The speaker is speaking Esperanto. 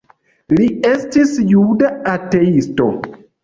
Li estis juda ateisto.